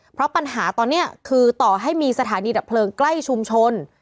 เพราะปัญหาตอนนี้คือต่อให้มีสถานีดับเพลิงใกล้ชุมชน